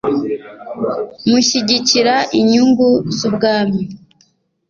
mushyigikira inyungu z Ubwami